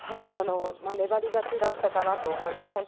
粘り勝ちだったかなと思います。